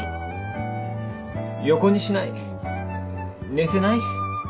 横にしない寝せない？